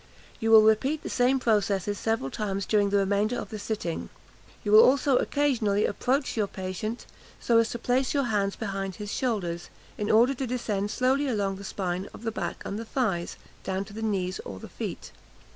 You will repeat the same processes several times during the remainder of the sitting. You will also occasionally approach your patient, so as to place your hands behind his shoulders, in order to descend slowly along the spine of the back and the thighs, down to the knees or the feet.